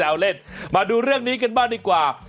แล้วเล่นมาดูเรื่องนี้กันบ้างดีกว่า